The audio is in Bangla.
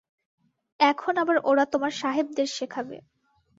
এখন আবার ওরা তোমার সাহেবদের শেখাবে।